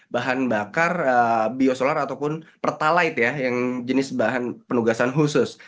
bahan bakar biosolar ataupun pertalite ya yang jenis bahan penugasan khusus